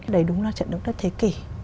đấy đúng là trận độc đất thế kỷ